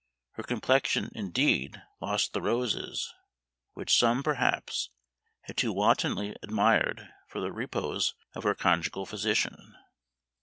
Her complexion, indeed, lost the roses, which some, perhaps, had too wantonly admired for the repose of her conjugal physician.